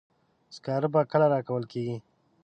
سکاره به کله راکول کیږي.